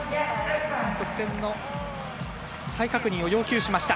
得点の再確認を要求しました。